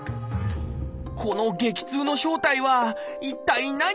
この激痛の正体は一体何？